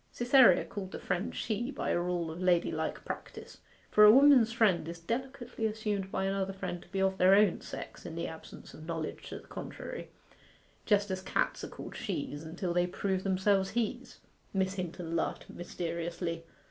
Cytherea called the friend 'she' by a rule of ladylike practice; for a woman's 'friend' is delicately assumed by another friend to be of their own sex in the absence of knowledge to the contrary; just as cats are called she's until they prove themselves he's. Miss Hinton laughed mysteriously.